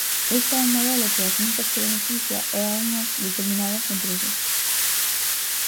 Este é un modelo que ás únicas que beneficia é a unhas determinadas empresas.